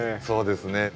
そうですね。